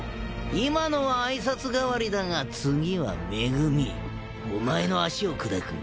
今のは挨拶代わりだが次は恵お前の足を砕く。